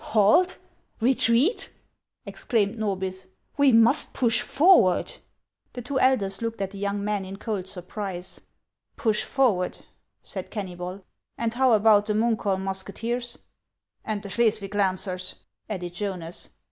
"Halt! retreat!" exclaimed Norbith ; "we must push forward." The two elders looked at the young man in cold surprise. " Push forward !" said Kennybol ;" and how about the Mimkholm musketeers ?"'• And the Schleswig lancers ?" added Jonas.